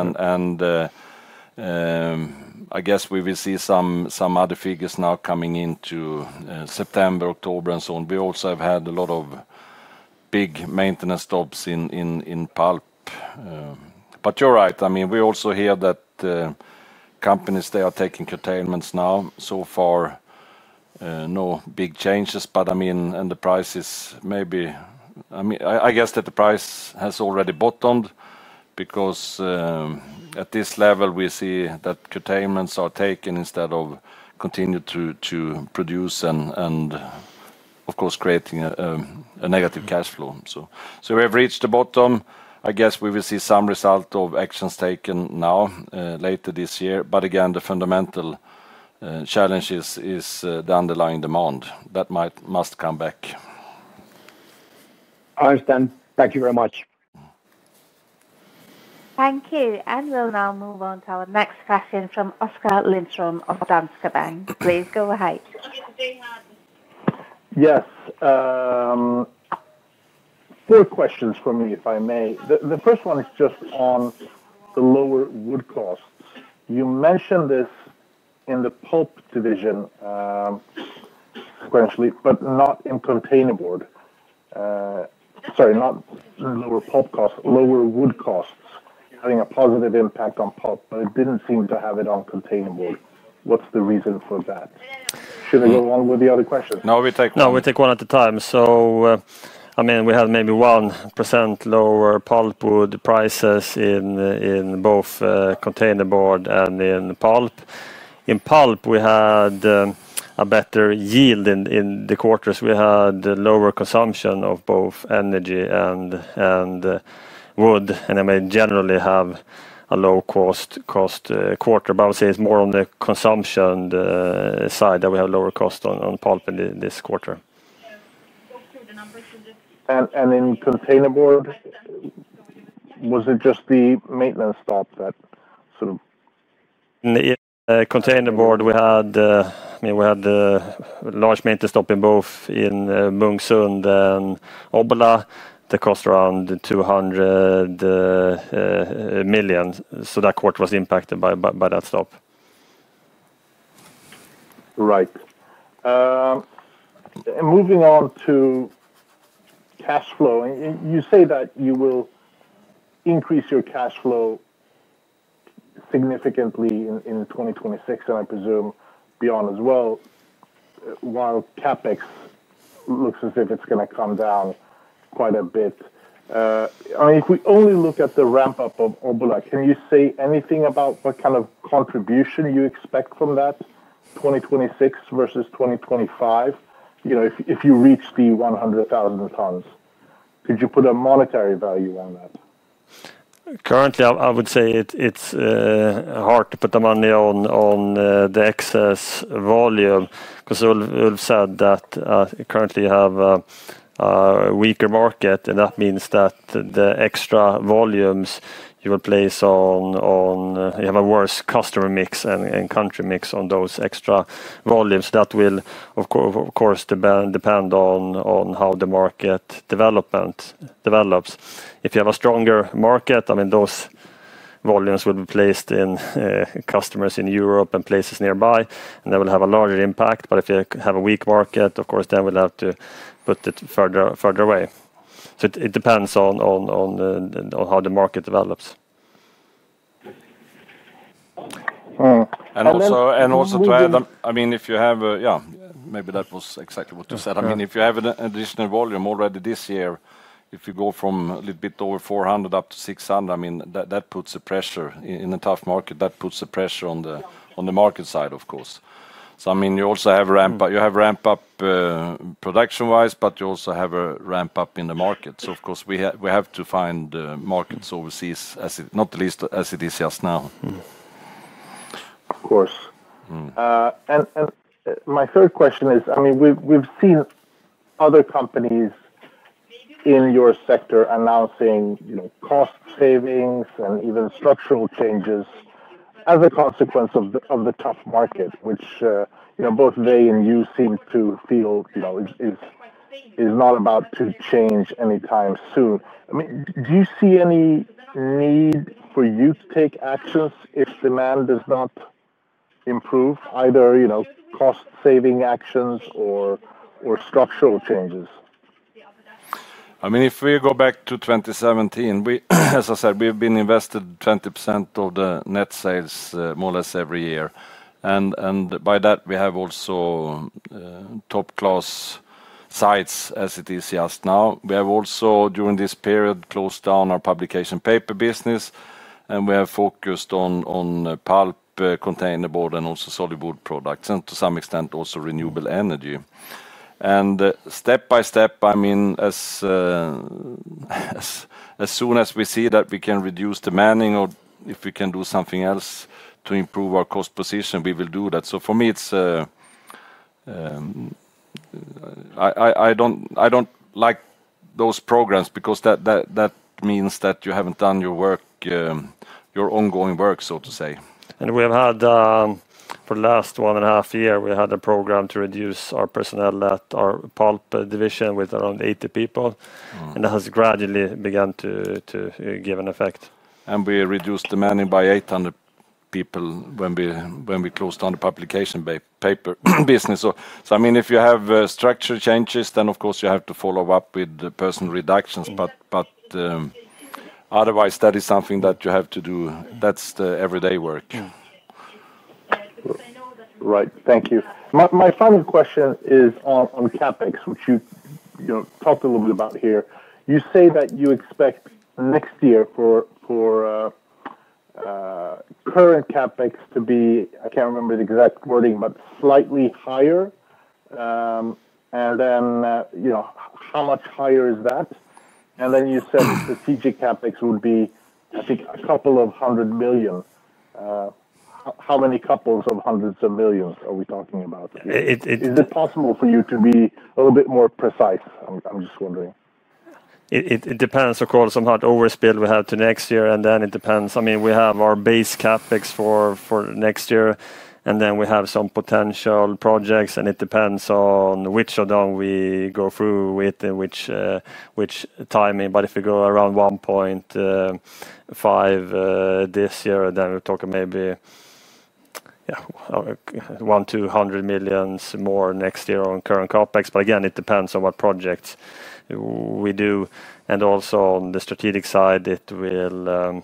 I guess we will see some other figures now coming into September, October, and so on. We also have had a lot of big maintenance stops in pulp. You're right. We also hear that companies are taking curtailments now. So far, no big changes. The prices maybe, I guess that the price has already bottomed because at this level, we see that curtailments are taken instead of continuing to produce and, of course, creating a negative cash flow. We have reached the bottom. I guess we will see some result of actions taken now later this year. Again, the fundamental challenge is the underlying demand that must come back. I understand. Thank you very much. Thank you. We will now move on to our next question from Oskar Lindström of Danske Bank. Please go ahead. Yes. Four questions from me, if I may. The first one is just on the lower wood costs. You mentioned this in the pulp division sequentially, but not in containerboard. Sorry, not lower pulp costs, lower wood costs having a positive impact on pulp, but it didn't seem to have it on containerboard. What's the reason for that? Should I go along with the other questions? No, we take one at a time. I mean, we have maybe 1% lower pulp wood prices in both containerboard and in pulp. In pulp, we had a better yield in the quarter. We had lower consumption of both energy and wood. I mean, generally, we have a low-cost quarter. I would say it's more on the consumption side that we have lower costs on pulp in this quarter. In containerboard, was it just the maintenance stop that sort of? In the containerboard, we had a large maintenance stop in both in Monsun and Obbola that cost around 200 million. That quarter was impacted by that stop. Right. Moving on to cash flow, you say that you will increase your cash flow significantly in 2026, and I presume beyond as well, while CapEx looks as if it's going to come down quite a bit. If we only look at the ramp-up of Obbola, can you say anything about what kind of contribution you expect from that in 2026 versus 2025? If you reach the 100,000 tons, could you put a monetary value on that? Currently, I would say it's hard to put the money on the excess volume because we've said that currently you have a weaker market, and that means that the extra volumes you will place on, you have a worse customer mix and country mix on those extra volumes. That will, of course, depend on how the market development develops. If you have a stronger market, I mean, those volumes will be placed in customers in Europe and places nearby, and that will have a larger impact. If you have a weak market, of course, then we'll have to put it further away. It depends on how the market develops. And also. Also, to add, if you have, yeah, maybe that was exactly what you said. If you have an additional volume already this year, if you go from a little bit over 400 up to 600, that puts pressure in a tough market. That puts pressure on the market side, of course. You also have a ramp-up, a ramp-up production-wise, but you also have a ramp-up in the market. Of course, we have to find markets overseas, not the least as it is just now. Of course. My third question is, we've seen other companies in your sector announcing cost savings and even structural changes as a consequence of the tough market, which both they and you seem to feel is not about to change anytime soon. Do you see any need for you to take actions if demand does not improve, either cost-saving actions or structural changes? I mean, if we go back to 2017, as I said, we've been invested 20% of the net sales more or less every year. By that, we have also top-class sites as it is just now. We have also, during this period, closed down our publication paper business, and we have focused on pulp, containerboard, and also solid wood products, and to some extent also renewable energy. Step by step, I mean, as soon as we see that we can reduce demanding or if we can do something else to improve our cost position, we will do that. For me, I don't like those programs because that means that you haven't done your work, your ongoing work, so to say. For the last one and a half years, we had a program to reduce our personnel at our pulp division with around 80 people. That has gradually begun to give an effect. We reduced demand by 800 people when we closed down the publication paper business. If you have structural changes, you have to follow up with the person reductions. Otherwise, that is something that you have to do. That's the everyday work. Right. Thank you. My final question is on CapEx, which you talked a little bit about here. You say that you expect next year for current CapEx to be, I can't remember the exact wording, but slightly higher. How much higher is that? You said strategic CapEx would be, I think, a couple of hundred million. How many couples of hundreds of millions are we talking about? Is it possible for you to be a little bit more precise? I'm just wondering. It depends, of course, on how much overspill we have to next year. It depends. I mean, we have our base CapEx for next year, and we have some potential projects. It depends on which of them we go through with and which timing. If we go around 1.5 billion this year, then we're talking maybe, yeah, 100 million more next year on current CapEx. It depends on what projects we do. Also, on the strategic side, it will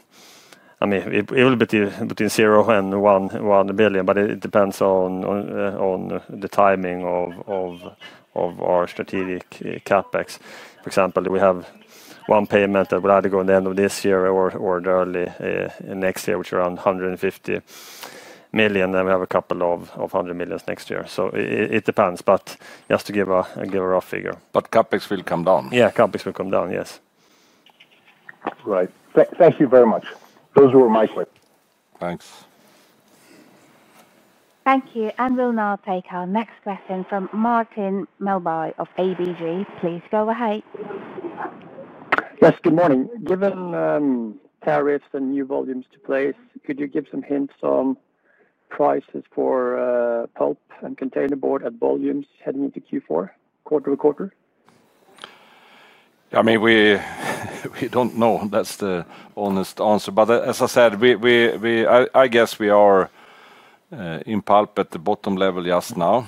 be between 0 and 1 billion. It depends on the timing of our strategic CapEx. For example, we have one payment that would rather go in the end of this year or early next year, which is around 150 million, and we have a couple of hundred million next year. It depends, but just to give a rough figure. CapEx will come down. Yeah, CapEx will come down, yes. Right. Thank you very much. Those were my questions. Thanks. Thank you. We'll now take our next question from Martin Melbye of ABG. Please go ahead. Yes, good morning. Given tariffs and new volumes to place, could you give some hints on prices for pulp and containerboard at volumes heading into Q4, quarter to quarter? Yeah, I mean, we don't know. That's the honest answer. As I said, I guess we are in pulp at the bottom level just now.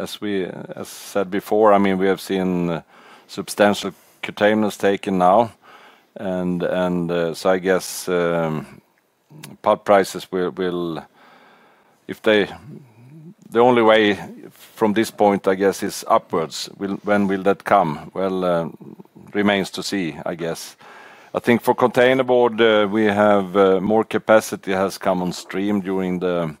As we said before, we have seen substantial curtailments taken now, so I guess pulp prices will, if they, the only way from this point, I guess, is upwards. When will that come? It remains to see, I guess. I think for containerboard, we have more capacity has come on stream during the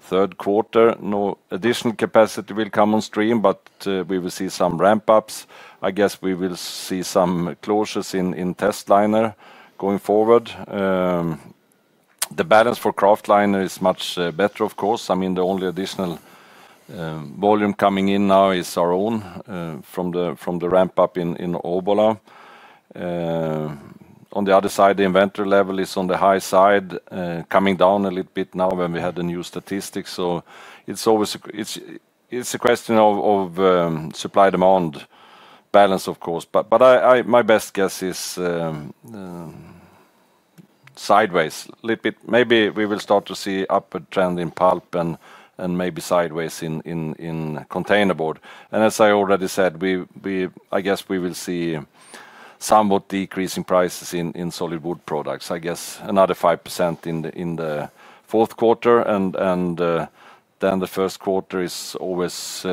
third quarter. No additional capacity will come on stream, but we will see some ramp-ups. I guess we will see some closures in testliner going forward. The balance for kraftliner is much better, of course. The only additional volume coming in now is our own from the ramp-up in Obbola. On the other side, the inventory level is on the high side, coming down a little bit now when we had the new statistics. It's a question of supply-demand balance, of course. My best guess is sideways. Maybe we will start to see upward trend in pulp and maybe sideways in containerboard. As I already said, I guess we will see somewhat decreasing prices in solid wood products. I guess another 5% in the fourth quarter. The first quarter is always,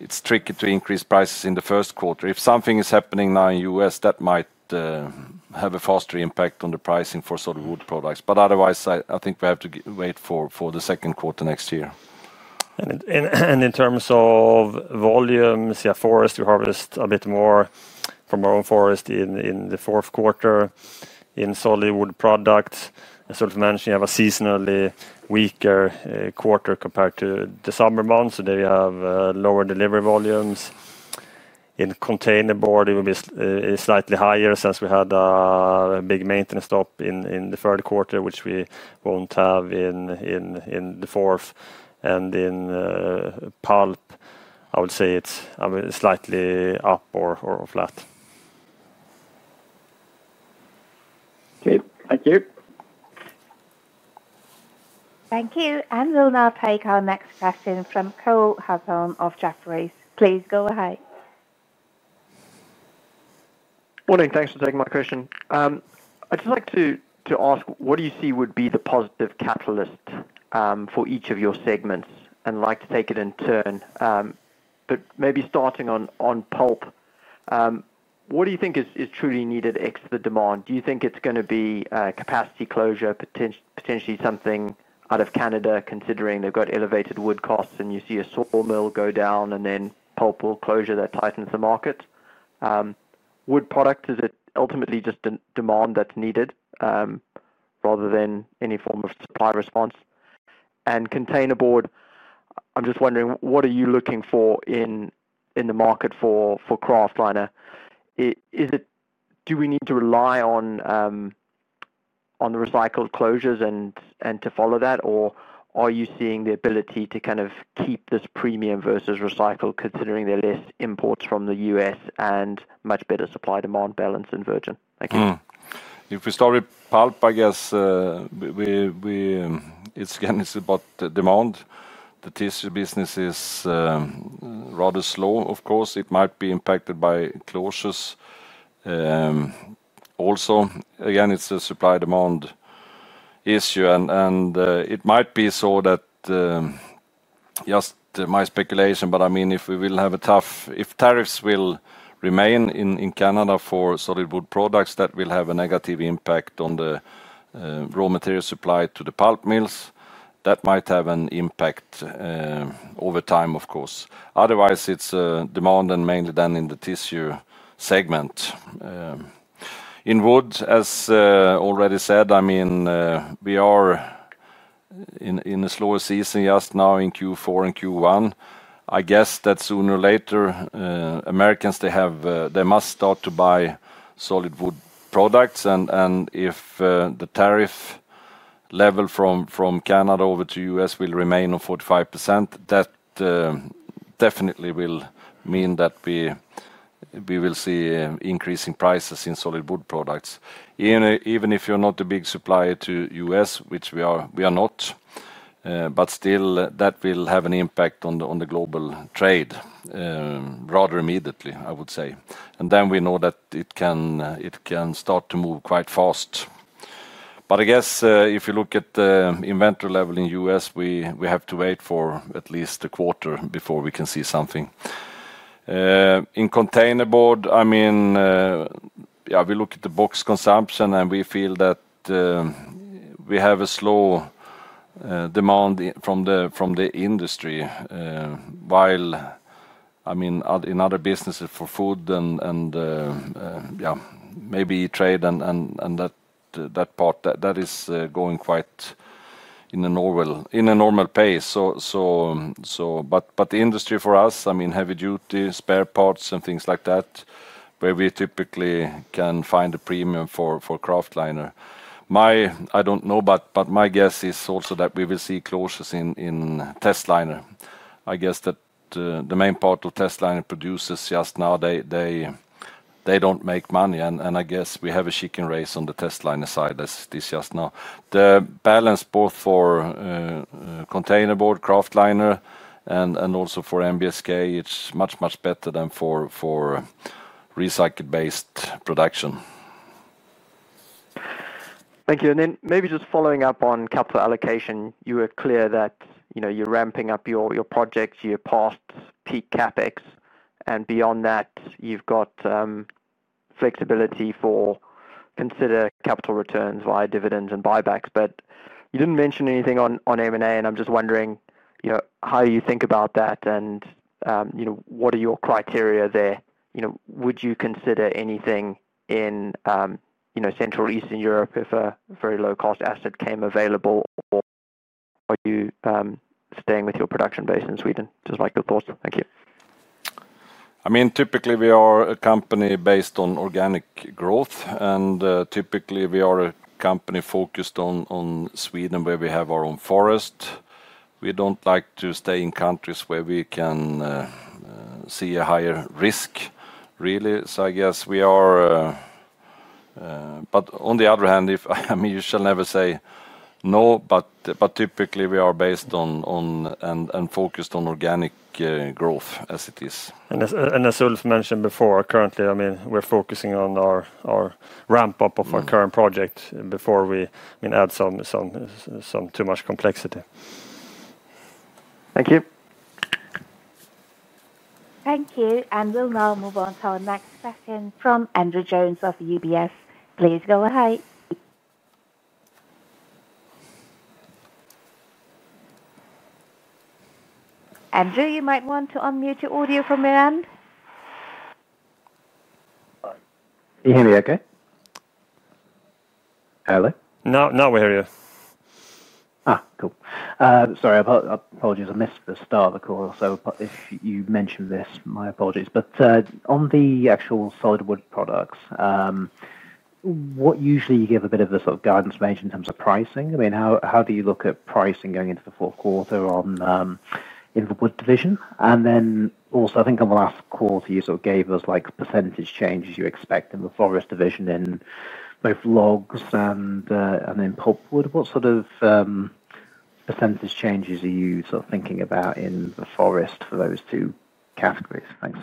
it's tricky to increase prices in the first quarter. If something is happening now in the U.S., that might have a faster impact on the pricing for solid wood products. Otherwise, I think we have to wait for the second quarter next year. In terms of volumes, yeah, forest, we harvest a bit more from our own forest in the fourth quarter in solid wood products. As I mentioned, you have a seasonally weaker quarter compared to the summer months, so there we have lower delivery volumes. In containerboard, it will be slightly higher since we had a big maintenance stop in the third quarter, which we won't have in the fourth. In pulp, I would say it's slightly up or flat. Okay, thank you. Thank you. We'll now take our next question from Cole Hathorn of Jefferies. Please go ahead. Morning. Thanks for taking my question. I'd just like to ask, what do you see would be the positive catalyst for each of your segments? I'd like to take it in turn, maybe starting on pulp. What do you think is truly needed to exit demand? Do you think it's going to be capacity closure, potentially something out of Canada, considering they've got elevated wood costs and you see a sawmill go down and then pulp mill closure that tightens the market? Wood products, is it ultimately just demand that's needed rather than any form of supply response? Containerboard, I'm just wondering, what are you looking for in the market for kraftliner? Do we need to rely on the recycled closures to follow that, or are you seeing the ability to kind of keep this premium versus recycled, considering there are less imports from the US and much better supply-demand balance in virgin? If we start with pulp, I guess it's again, it's about demand. The tissue business is rather slow, of course. It might be impacted by closures. Also, again, it's a supply-demand issue. It might be so that, just my speculation, but I mean, if we will have a tough, if tariffs will remain in Canada for solid wood products, that will have a negative impact on the raw material supply to the pulp mills. That might have an impact over time, of course. Otherwise, it's demand and mainly then in the tissue segment. In wood, as already said, I mean, we are in a slower season just now in Q4 and Q1. I guess that sooner or later, Americans, they must start to buy solid wood products. If the tariff level from Canada over to the U.S. will remain on 45%, that definitely will mean that we will see increasing prices in solid wood products. Even if you're not a big supplier to the U.S., which we are not, but still, that will have an impact on the global trade rather immediately, I would say. We know that it can start to move quite fast. I guess if you look at the inventory level in the U.S., we have to wait for at least a quarter before we can see something. In containerboard, I mean, yeah, we look at the box consumption and we feel that we have a slow demand from the industry while, I mean, in other businesses for food and maybe e-trade and that part, that is going quite in a normal pace. The industry for us, I mean, heavy duty, spare parts, and things like that, where we typically can find a premium for kraftliner. I don't know, but my guess is also that we will see closures in testliner. I guess that the main part of testliner producers just now, they don't make money. I guess we have a chicken race on the testliner side as it is just now. The balance both for containerboard, kraftliner, and also for MSK pulp, it's much, much better than for recycled-based production. Thank you. Maybe just following up on capital allocation, you were clear that you're ramping up your projects, you're past peak CapEx, and beyond that, you've got flexibility for considered capital returns via dividends and buybacks. You didn't mention anything on M&A, and I'm just wondering how you think about that and what are your criteria there. Would you consider anything in Central Eastern Europe if a very low-cost asset came available, or are you staying with your production base in Sweden? Just like your thoughts. Thank you. Typically, we are a company based on organic growth, and typically, we are a company focused on Sweden where we have our own forest. We don't like to stay in countries where we can see a higher risk, really. I guess we are, but on the other hand, you shall never say no. Typically, we are based on and focused on organic growth as it is. As Ulf mentioned before, currently, we're focusing on our ramp-up of our current project before we add too much complexity. Thank you. Thank you. We will now move on to our next question from Andrew Jones of UBS. Please go ahead. Andrew, you might want to unmute your audio from your end. Can you hear me okay? Hello? No, we hear you. Sorry, apologies. I missed the start of the call. If you mentioned this, my apologies. On the actual solid wood products, usually you give a bit of a sort of guidance range in terms of pricing. How do you look at pricing going into the fourth quarter in the wood division? Also, I think in the last quarter, you sort of gave us percentage changes you expect in the forest division in both logs and in pulp wood. What sort of percentage changes are you thinking about in the forest for those two categories? Thanks.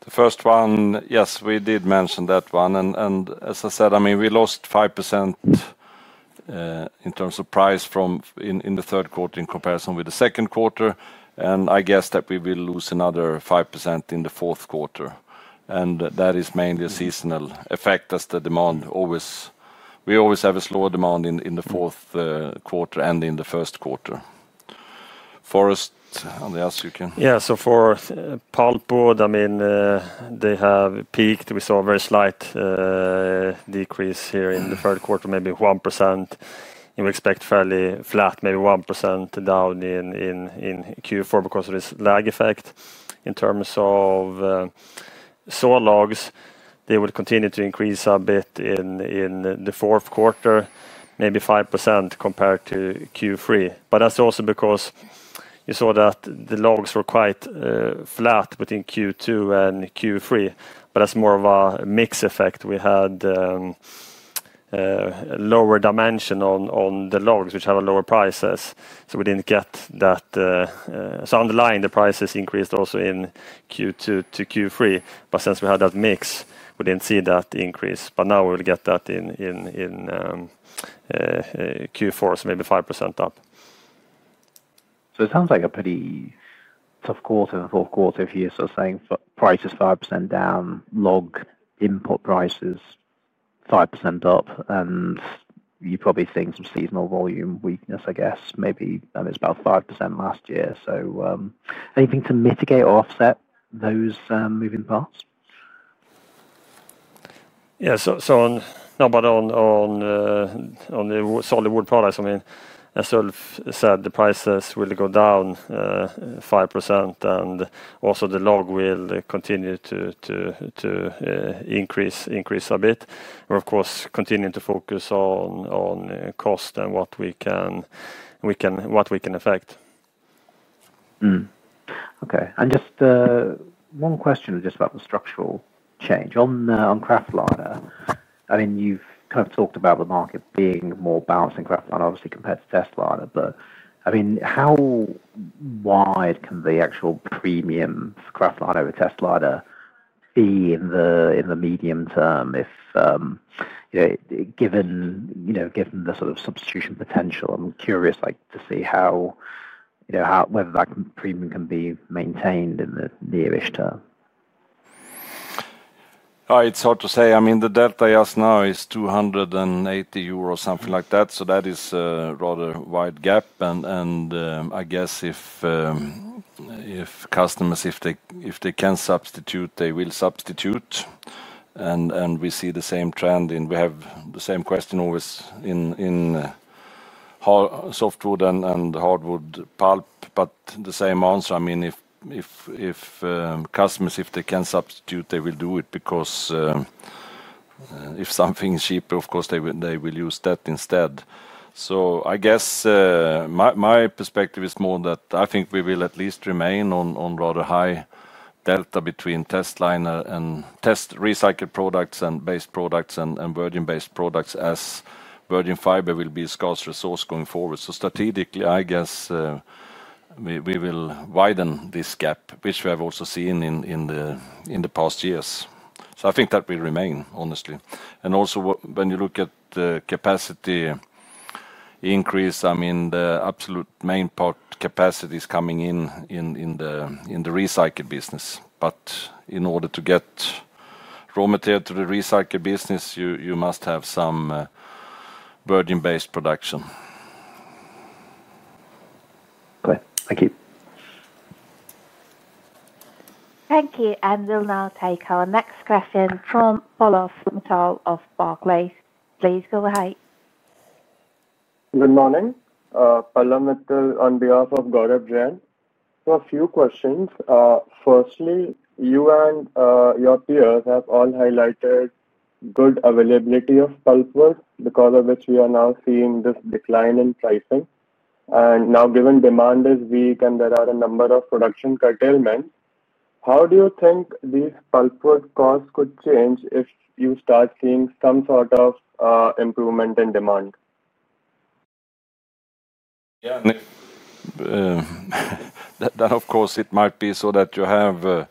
The first one, yes, we did mention that one. As I said, we lost 5% in terms of price in the third quarter in comparison with the second quarter. I guess that we will lose another 5% in the fourth quarter. That is mainly a seasonal effect, as the demand always, we always have a slower demand in the fourth quarter and in the first quarter. Forest, I'll ask you again. Yeah, so for pulp wood, I mean, they have peaked. We saw a very slight decrease here in the third quarter, maybe 1%. We expect fairly flat, maybe 1% down in Q4 because of this lag effect. In terms of saw logs, they will continue to increase a bit in the fourth quarter, maybe 5% compared to Q3. That is also because you saw that the logs were quite flat between Q2 and Q3. That is more of a mix effect. We had a lower dimension on the logs, which had a lower price. We did not get that. Underlying, the prices increased also in Q2 to Q3. Since we had that mix, we did not see that increase. Now we will get that in Q4, so maybe 5% up. It sounds like a pretty tough quarter in the fourth quarter if you're saying price is 5% down, log input prices 5% up, and you're probably seeing some seasonal volume weakness, I guess, maybe. It's about 5% last year. Anything to mitigate or offset those moving parts? Yeah, on the solid wood products, I mean, as Ulf said, the prices will go down 5%. Also, the log will continue to increase a bit. We're, of course, continuing to focus on cost and what we can affect. Okay. Just one question about the structural change on kraft liner. You've kind of talked about the market being more balanced in kraft liner, obviously, compared to test liner. How wide can the actual premium for kraft liner over test liner be in the medium term, given the sort of substitution potential? I'm curious to see whether that premium can be maintained in the nearish term. It's hard to say. I mean, the delta just now is 280 euros, something like that. That is a rather wide gap. I guess if customers, if they can substitute, they will substitute. We see the same trend. We have the same question always in softwood and hardwood pulp, but the same answer. I mean, if customers, if they can substitute, they will do it because if something is cheaper, of course, they will use that instead. I guess my perspective is more that I think we will at least remain on rather high delta between testliner and test recycled products and based products and virgin-based products as virgin fiber will be a scarce resource going forward. Strategically, I guess we will widen this gap, which we have also seen in the past years. I think that will remain, honestly. Also, when you look at the capacity increase, the absolute main part capacity is coming in the recycled business. In order to get raw material to the recycled business, you must have some virgin-based production. Okay. Thank you. Thank you. We'll now take our next question from Pallav Mittal of Barclays. Please go ahead. Good morning. Pallav Mittal on behalf of Godabran. A few questions. Firstly, you and your peers have all highlighted good availability of pulp wood, because of which we are now seeing this decline in pricing. Given demand is weak and there are a number of production curtailments, how do you think these pulp wood costs could change if you start seeing some sort of improvement in demand? Yeah, that, of course, it might be so that you have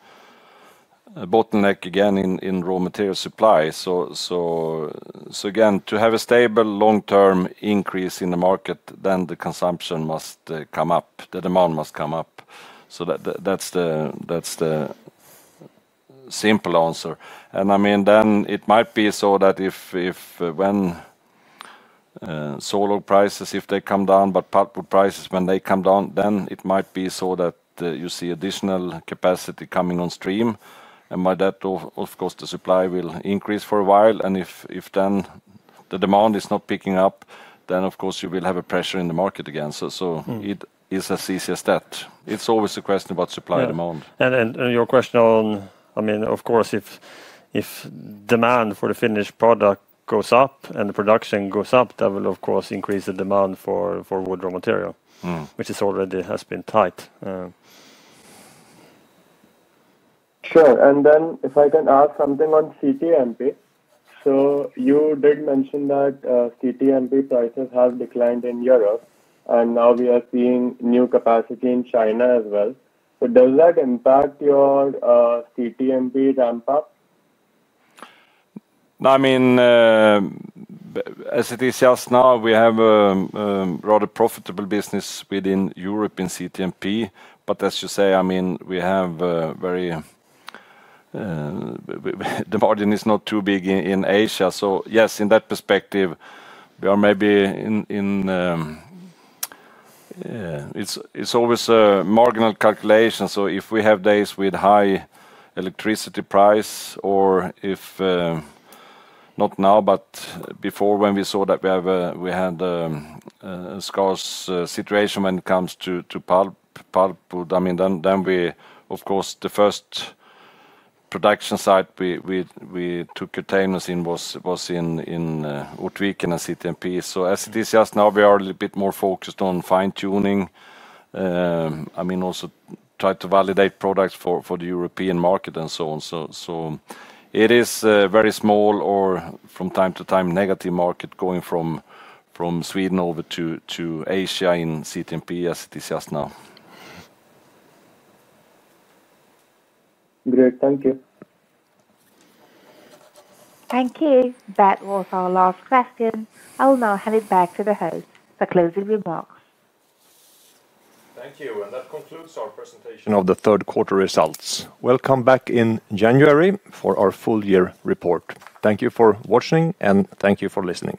a bottleneck again in raw material supply. To have a stable long-term increase in the market, the consumption must come up. The demand must come up. That's the simple answer. I mean, it might be so that if, when saw log prices, if they come down, but pulp wood prices, when they come down, then it might be so that you see additional capacity coming on stream. By that, the supply will increase for a while. If the demand is not picking up, you will have a pressure in the market again. It is as easy as that. It's always a question about supply and demand. If demand for the finished product goes up and the production goes up, that will, of course, increase the demand for wood raw material, which already has been tight. Sure. If I can add something on CTMP, you did mention that CTMP prices have declined in Europe. Now we are seeing new capacity in China as well. Does that impact your CTMP ramp-up? As it is just now, we have a rather profitable business within Europe in CTMP. As you say, we have a very—the margin is not too big in Asia. Yes, in that perspective, we are maybe in—it's always a marginal calculation. If we have days with high electricity price or, not now, but before, when we saw that we had a scarce situation when it comes to pulp, then we, of course, the first production site we took containers in was in Ortviken in CTMP. As it is just now, we are a little bit more focused on fine-tuning and also try to validate products for the European market and so on. It is a very small or, from time to time, negative market going from Sweden over to Asia in CTMP as it is just now. Great, thank you. Thank you. That was our last question. I will now hand it back to the host for closing remarks. Thank you. That concludes our presentation of the third quarter results. Welcome back in January for our full-year report. Thank you for watching and thank you for listening.